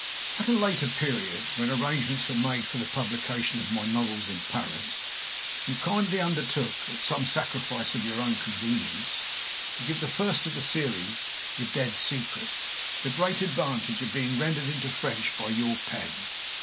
At a later period, when arrangements were made for the publication of my novels in Paris, you kindly undertook, at some sacrifice of your own convenience, to give the first of the series "The Dead Secret" the great advantage of being rendered into French by your pen.